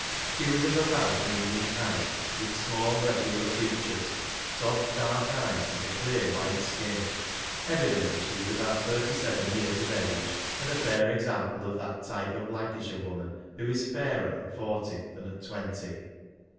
She was of about medium height, with small regular features, soft dark eyes, and a clear white skin. Evidently she was about thirty seven years of age, and a fair example of that type of Lancashire woman who is fairer at forty than at twenty.